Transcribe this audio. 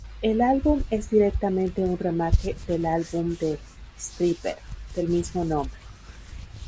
El álbum es directamente un remake del álbum de Stryper del mismo nombre.